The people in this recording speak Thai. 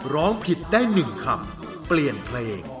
ร้องผิดได้๑คำเปลี่ยนเพลง